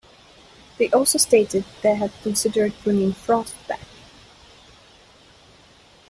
They also stated they had considered bringing Frost back.